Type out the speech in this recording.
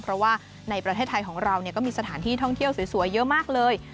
เพราะว่าในประเทศไทยของเราก็มีสถานที่ท่องเที่ยวสวยเยอะมากเลย